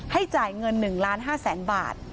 ให้จ่ายเงิน๑๕๐๐๐๐๐บาท